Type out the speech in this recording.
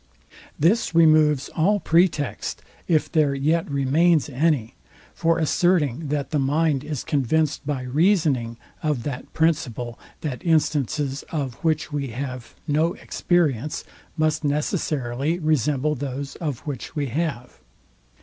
This removes all pretext, if there yet remains any, for asserting that the mind is convinced by reasoning of that principle, that instances of which we have no experience, must necessarily resemble those, of which we have.